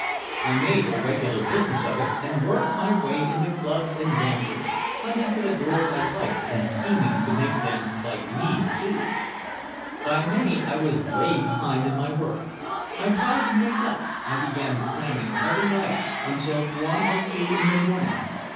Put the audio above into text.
I made a regular business of it and worked my way into clubs and dances, hunting for the girls I liked and scheming to make them like me too. By May I was way behind in my work. I tried to make up, I began cramming every night until one or two in the morning.